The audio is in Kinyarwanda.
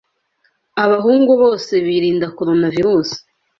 Abahungu bose birinda Coronavirusi